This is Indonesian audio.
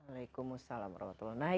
waalaikumsalam warahmatullahi wabarakatuh